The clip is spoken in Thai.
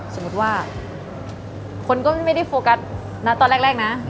สมมุติว่าคนก็ไม่ได้โฟกัสนะตอนแรกนะ